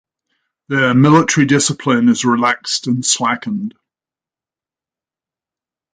Their military discipline is relaxed and slackened.